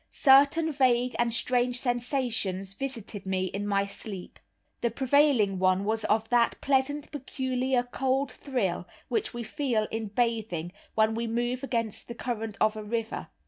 Certain vague and strange sensations visited me in my sleep. The prevailing one was of that pleasant, peculiar cold thrill which we feel in bathing, when we move against the current of a river.